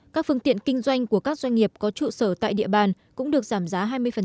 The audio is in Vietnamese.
các phương tiện kinh doanh của các doanh nghiệp có trụ sở tại địa bàn cũng được giảm giá hai mươi